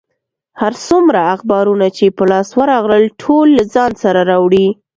هر څومره اخبارونه چې په لاس ورغلل، ټول له ځان سره راوړي.